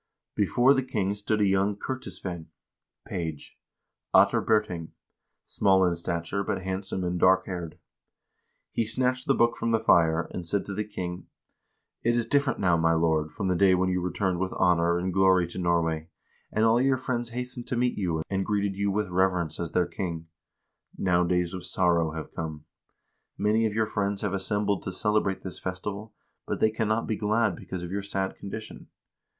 Before the king stood a young kertisveinn (page), Ottar Birting, small in stature, but handsome and dark haired. He snatched the book from the fire, and said to the king :" It is different now, my lord, from the day when you returned with honor and glory to Norway, and all your friends hastened to meet you, and greeted you with reverence as their king. Now days of sorrow have come. Many of your friends have assembled to celebrate this festival, but they can not be glad because of your sad condition.